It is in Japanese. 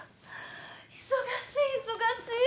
忙しい忙しい。